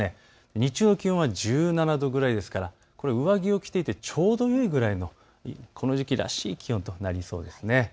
日中の気温は１７度くらいですから上着を着ていてちょうどよいくらいの、この時期らしい気温となりそうです。